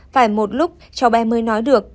phải một lúc cháu bé mới nói được